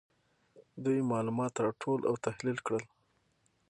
دوی معلومات راټول او تحلیل کړل.